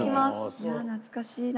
いや懐かしいな。